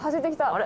「あれ？